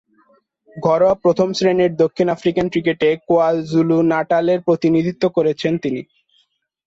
ঘরোয়া প্রথম-শ্রেণীর দক্ষিণ আফ্রিকান ক্রিকেটে কোয়াজুলু-নাটালের প্রতিনিধিত্ব করেছেন তিনি।